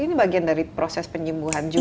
ini bagian dari proses penyembuhan juga